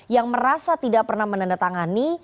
yang merasa tidak pernah menandatangani